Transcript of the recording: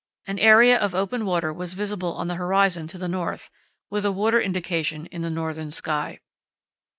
An area of open water was visible on the horizon to the north, with a water indication in the northern sky.